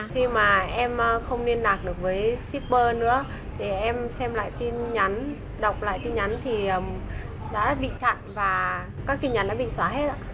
khi mà em không liên lạc được với shipper nữa thì em xem lại tin nhắn đọc lại tin nhắn thì đã bị chặn và các tin nhắn đã bị xóa hết ạ